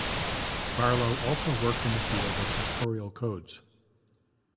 Barlow also worked in the field of factorial codes.